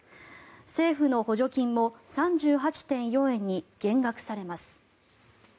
政府の補助金も３８．４円に減額されます。